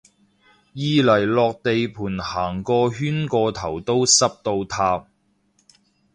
二嚟落地盤行個圈個頭都濕到塌